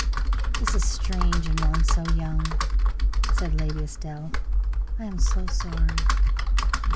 "That is strange in one so young," said Lady Estelle. "I am so sorry."